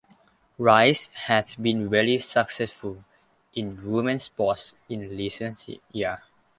Rice has been very successful in women's sports in recent years.